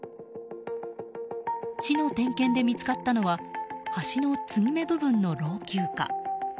市の点検で見つかったのは橋の継ぎ目部分の老朽化。